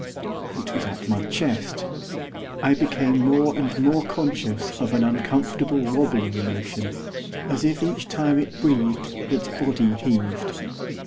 It was at my chest. I became more and more conscious of an uncomfortable wobbling motion, as if each time it breathed its body heaved.